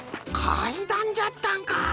かいだんじゃったんか！